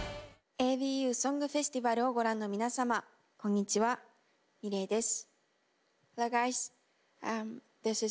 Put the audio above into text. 「ＡＢＵソングフェスティバル」をご覧の皆様こんにちはｍｉｌｅｔです。